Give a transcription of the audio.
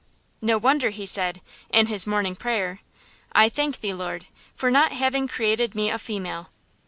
No wonder he said, in his morning prayer, "I thank Thee, Lord, for not having created me a female."